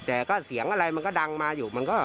แต่ก็เสียงอะไรมันก็ดังมาอยู่มันก็